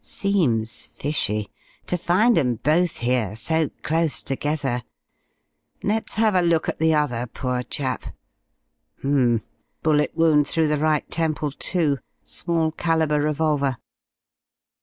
Seems fishy. To find 'em both here so close together.... Let's have a look at the other poor chap.... Hmm. Bullet wound through the right temple, too. Small calibre revolver."